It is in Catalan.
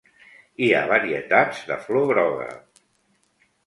Hi ha varietats de flor groga.